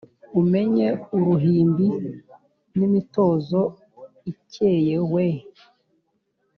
Umenye uruhimbi n’imitozo ikeye we